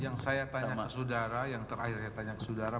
yang saya tanya ke saudara yang terakhir saya tanya ke saudara